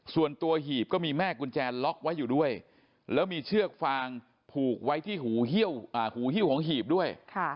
ส่วนตัวหีบก็มีแม่กุญแจล็อกไว้อยู่ด้วยแล้วมีเชือกฟางผูกไว้ที่หูหิ้วของหีบด้วย